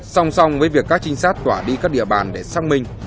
song song với việc các trinh sát quả đi các địa bàn để xăng minh